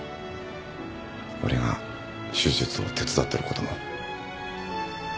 俺が手術を手伝っとることも。